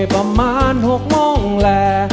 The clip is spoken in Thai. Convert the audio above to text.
ประมาณหกโมงแล